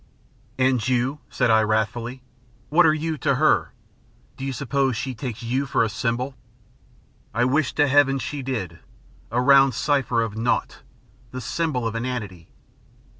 "And you?" said I, wrathfully. "What are you to her? Do you suppose she takes you for a symbol? I wish to Heaven she did. A round cipher of naught, the symbol of inanity.